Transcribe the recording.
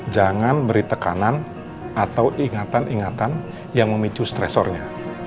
jangan beri tekanan atau ingatan ingatan yang memicu stresornya